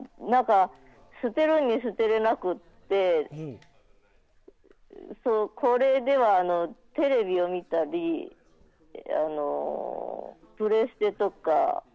捨てるに捨てられなくてこれでは、テレビを見たりプレステとか。